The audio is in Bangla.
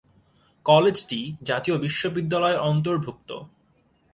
কলেজটি জাতীয় বিশ্ববিদ্যালয়ের অন্তর্ভুক্ত।